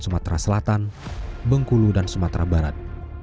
sumatera selatan bengkulu dan sumatera barat